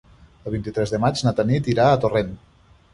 El vint-i-tres de maig na Tanit irà a Torrent.